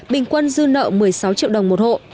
bình quân dư nợ một mươi sáu triệu đồng một hộ